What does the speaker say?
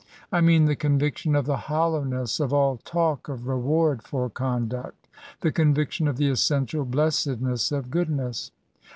I mean the conviction of the hollowness of all talk of reward for conduct ;— ^the conviction of the essential blessedness of goodness.